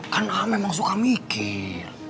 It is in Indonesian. kan ah memang suka mikir